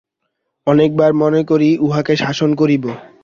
অনেকবার মনে করি উহাকে শাসন করিব।